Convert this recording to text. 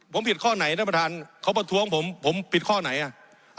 ผมผิดข้อไหนท่านประธานเขาประท้วงผมผมผิดข้อไหนอ่ะ